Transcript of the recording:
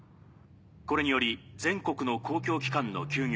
これにより全国の公共機関の休業